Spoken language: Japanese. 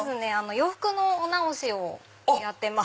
洋服のお直しをやってます。